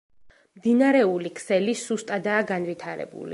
მდინარეული ქსელი სუსტადაა განვითარებული.